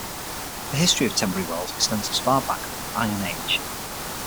The history of Tenbury Wells extends as far back as the Iron Age.